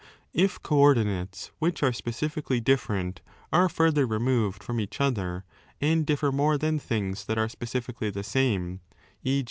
If co ordinates which 14 &re specifically different, are further removed from each other and differ more than things that are specifically the Bame {e.